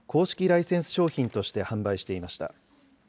ライセンス商品として販売していました。